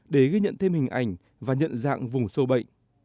để ghi nhận thêm hình ảnh và nhận dạng vùng sâu bệnh